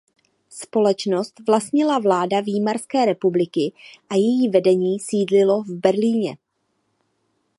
Společnost vlastnila vláda Výmarské republiky a její vedení sídlilo v Berlíně.